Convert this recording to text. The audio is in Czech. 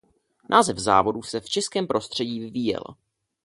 Název závodu se v českém prostředí vyvíjel.